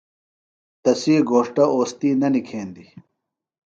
تسی گھوݜٹہ اوستی نہ نِکھیندیۡ۔